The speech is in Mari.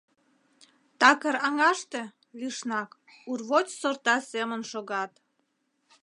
Такыр аҥаште, лишнак, урвоч сорта семын шогат.